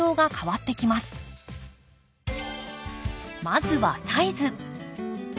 まずはサイズ。